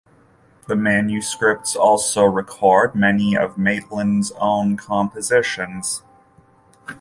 The manuscripts also record many of Maitland's own compositions.